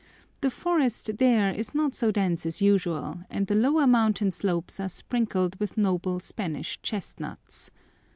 The forest there is not so dense as usual, and the lower mountain slopes are sprinkled with noble Spanish chestnuts.